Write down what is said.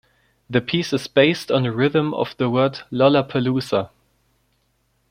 The piece is based on the rhythm of the word 'Lollapalooza'.